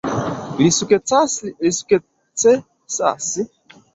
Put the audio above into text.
Li sukcesas retrovi Luke kaj ili reiras al la stacio.